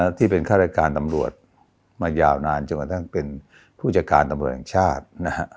ในฐานะที่เป็นค่ารายการตำรวจมายาวนั้นจนกว่าทั้งเป็นผู้จัดการตำรวจแห่งชาติ